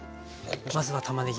まずはたまねぎ。